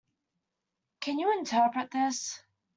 Can you interpret this?